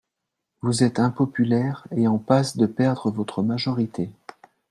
Vous êtes impopulaire et en passe de perdre votre majorité.